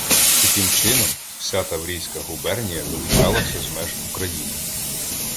Таким чином, вся Таврійська губернія вилучалася з меж України.